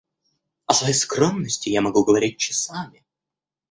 О своей скромности я могу говорить часами.